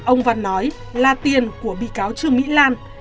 ông văn nói là tiền của bị cáo trương mỹ lan